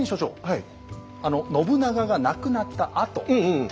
はい。